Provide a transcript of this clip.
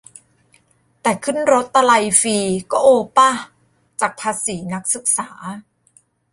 แต่ขึ้นรถตะลัยฟรี ก็โอป่ะ ? จากภาษีนักศึกษา